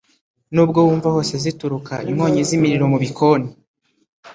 “Nubwo wumva hose zituruka (inkongi z’imiriro) mu bikoni